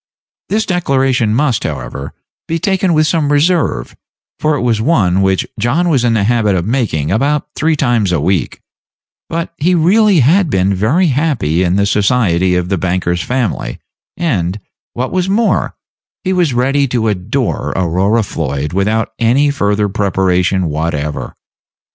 This declaration must, however, be taken with some reserve, for it was one which John was in the habit of making about three times a week; but he really had been very happy in the society of the banker's family, and, what was more, he was ready to adore Aurora Floyd without any further preparation whatever.